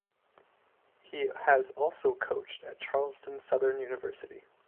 He has also coached at Charleston Southern University.